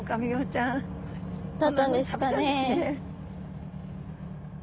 だったんですかね？